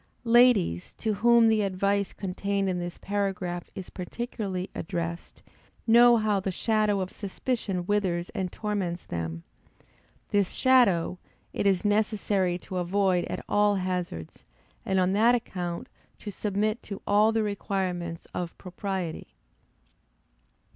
Ladies, to whom the advice contained in this paragraph is particularly addressed, know how the shadow of suspicion withers and torments them. This shadow, it is necessary to avoid at all hazards, and on that account to submit to all the requirements of propriety.